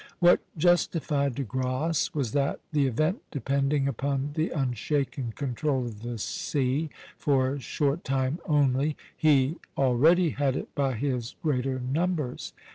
What justified De Grasse was that, the event depending upon the unshaken control of the sea, for a short time only, he already had it by his greater numbers.